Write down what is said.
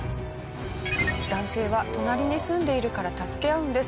男性は「隣に住んでいるから助け合うんです」